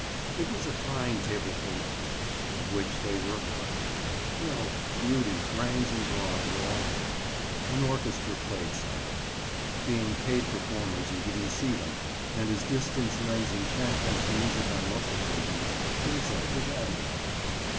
It was a fine tableful of people, of which they were a part. Wealth, beauty, brains and brawn were all there. An orchestra played somewhere. Being paid performers you didn't see them and as distance lends enchantment to music, on most occasions, the result was admirable.